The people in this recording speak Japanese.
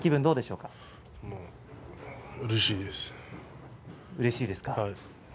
うれしいです。